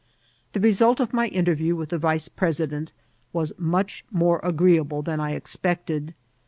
The result of my interview widi the vice president was mtrch mate agreeable than I expected.